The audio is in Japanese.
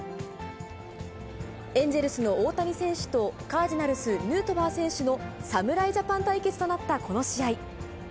エンゼルスの大谷選手とカージナルス、ヌートバー選手の、侍ジャパン対決となったこの試合。